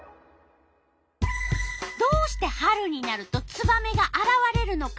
どうして春になるとツバメがあらわれるのか。